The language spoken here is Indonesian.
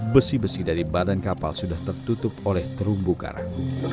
besi besi dari badan kapal sudah tertutup oleh terumbu karang